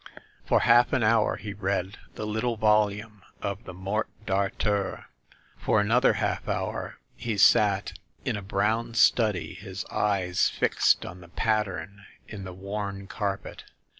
For half an hour he read the little volume of the Morte d} Arthur; for another half hour he sat in a brown study, his eyes fixed on the pattern in the worn carpet.